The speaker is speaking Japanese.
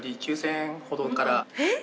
えっ？